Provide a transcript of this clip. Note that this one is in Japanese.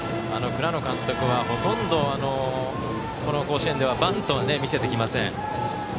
倉野監督はほとんど、この甲子園ではバントは見せてきません。